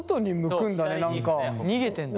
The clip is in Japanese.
逃げてんだ。